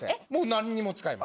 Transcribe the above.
何にも使いません。